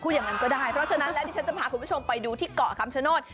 อย่างนั้นก็ได้เพราะฉะนั้นแล้วดิฉันจะพาคุณผู้ชมไปดูที่เกาะคำชโนธ